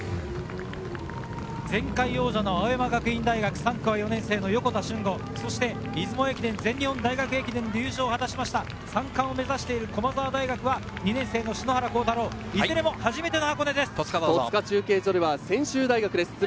前回王者の青山学院大学３区は４年生の横田俊吾、出雲駅伝、全日本大学駅伝で優勝を果たした３冠を目指している駒澤大学は２年生の篠原倖太朗、いずれも初めての箱根です。